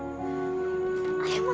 aku memang ingin tidur